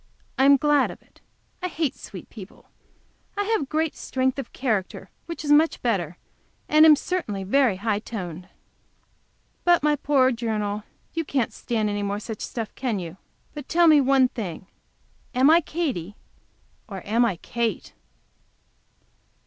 I am glad of it. I hate sweet people. I have great strength of character, which is much better, and am certainly very high toned. But, my poor journal, you can't stand any more such stuff, can you? But tell me one thing, am I Katy or am I Kate?